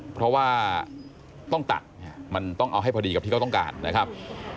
เพราะว่าต้องตัดมันต้องเอาให้พอดีกับที่เขาต้องการนะครับ